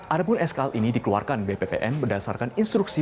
adapun skl ini dikeluarkan bpn bpn berdasarkan instruksi